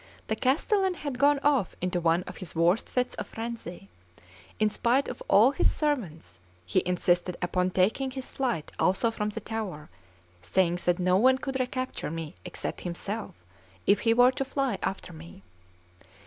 The castellan had gone off into one of his worst fits of frenzy; in spite of all his servants, he insisted upon taking his flight also from the tower, saying that no one could recapture me except himself if he were to fly after me.